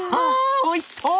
おいしそう！